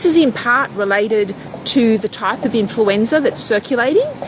ini terkait dengan type influenza yang berkualitas